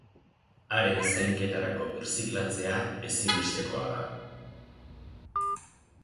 Haren zainketarako birziklatzea ezinbestekoa da.